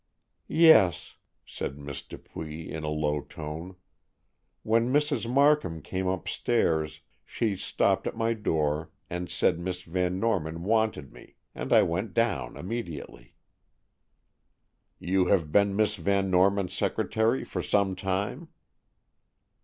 "Yes," said Miss Dupuy, in a low tone; "when Mrs. Markham came upstairs she stopped at my door and said Miss Van Norman wanted me, and I went down immediately." "You have been Miss Van Norman's secretary for some time?"